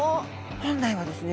本来はですね